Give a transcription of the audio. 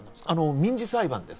民事裁判です。